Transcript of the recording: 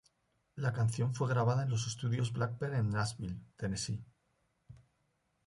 La canción fue grabada en los estudios Blackbird en Nashville, Tennessee.